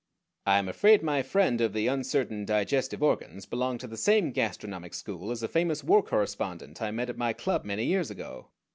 I am afraid my friend of the uncertain digestive organs belonged to the same gastronomic school as a famous war correspondent I met at my club many years ago.